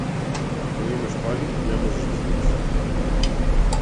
Ако немаш пари, не можеш да снимаш филм.